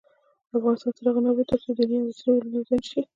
افغانستان تر هغو نه ابادیږي، ترڅو دیني او عصري علوم یو ځای نشي.